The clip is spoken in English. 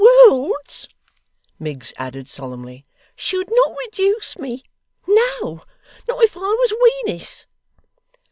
Worlds,' Miggs added solemnly, 'should not reduce me. No. Not if I was Wenis.